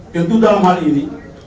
tentu dalam hal ini